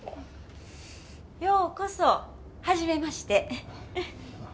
ようこそ、はじめまして。